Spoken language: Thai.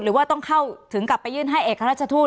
หรือว่าต้องเข้าถึงกลับไปยื่นให้เอกราชทูต